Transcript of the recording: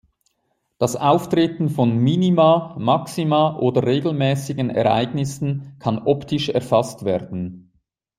Das Auftreten von Minima, Maxima oder regelmäßigen Ereignissen kann optisch erfasst werden.